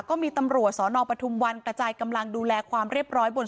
ก็มีตำรวจสนปทุมวันกระจายกำลังดูแลความเรียบร้อยบน